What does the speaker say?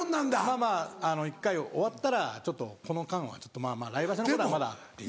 まぁまぁ１回終わったらちょっとこの間はまぁまぁ来場所のことはまだっていう。